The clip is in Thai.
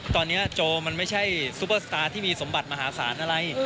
ตอนนี้โจมันไม่ใช่ซูเปอร์สตาร์ที่มีสมบัติมหาศาลอะไร